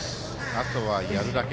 「あとはやるだけ」。